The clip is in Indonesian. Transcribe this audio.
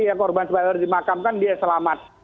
yang korban dimakamkan dia selamat